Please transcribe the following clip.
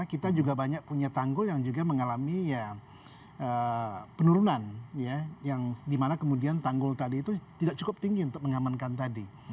kita juga banyak punya tanggul yang juga mengalami ya penurunan ya yang dimana kemudian tanggul tadi itu tidak cukup tinggi untuk mengamankan tadi